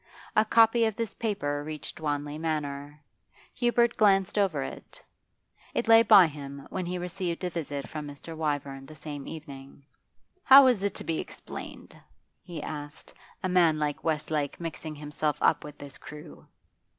A copy of this paper reached Wanley Manor. Hubert glanced over it. It lay by him when he received a visit from Mr. Wyvern the same evening. 'How is it to be explained,' he asked; 'a man like Westlake mixing himself up with this crew?